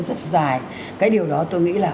rất dài cái điều đó tôi nghĩ là